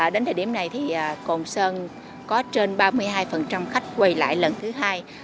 đến thời điểm này thì cồn sơn có trên ba mươi hai khách quay lại lần thứ hai